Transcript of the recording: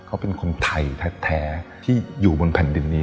เขาเป็นคนไทยแท้ที่อยู่บนแผ่นดินนี้